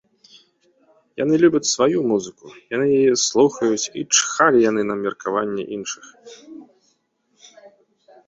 Яны любяць сваю музыку, яны яе слухаюць і чхалі яны на меркаванне іншых.